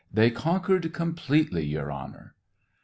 They con quered completely, Your Honor."